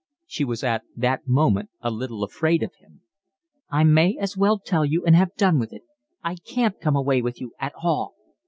She was at that moment a little afraid of him. "I may as well tell you and have done with it, I can't come away with you at all."